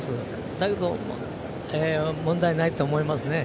だけど、問題ないと思いますね。